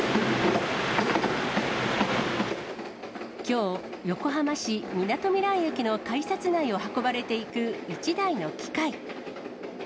きょう、横浜市みなとみらい駅の改札内を運ばれていく一台の機械。